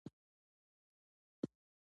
د افغان مرګ د خپل عزت لپاره وي.